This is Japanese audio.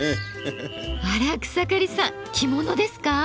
あら草刈さん着物ですか？